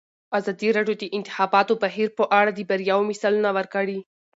ازادي راډیو د د انتخاباتو بهیر په اړه د بریاوو مثالونه ورکړي.